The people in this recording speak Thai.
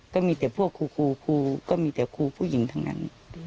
ก็มีแต่พวกครูครูก็มีแต่ครูผู้หญิงทั้งนั้น